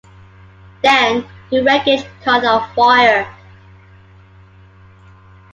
Then, the wreckage caught on fire.